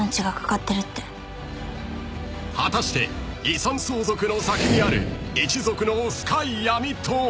［果たして遺産相続の先にある一族の深い闇とは］